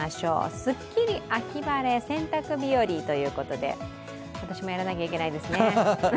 すっきり秋晴れ、洗濯日和ということで、私もやらなければいけないですね。